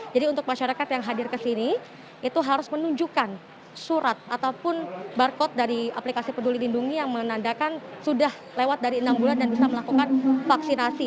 jadi untuk masyarakat yang hadir ke sini itu harus menunjukkan surat ataupun barcode dari aplikasi peduli lindungi yang menandakan sudah lewat dari enam bulan dan bisa melakukan vaksinasi